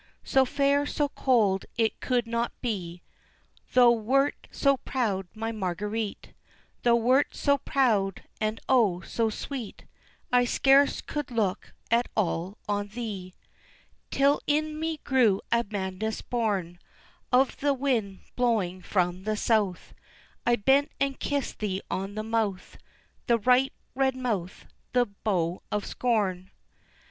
So fair, so cold it could not be! Thou wert so proud, my Marguerite, Thou wert so proud, and O, so sweet I scarce could look at all on thee. Till in me grew a madness born Of the wind blowing from the south, I bent and kissed thee on the mouth, The ripe, red mouth the bow of scorn.